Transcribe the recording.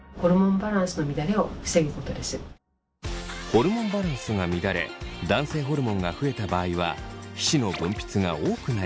ホルモンバランスが乱れ男性ホルモンが増えた場合は皮脂の分泌が多くなります。